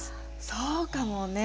そうかもね。